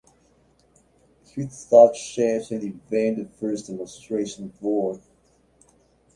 He taught chess, and invented the first demonstration board.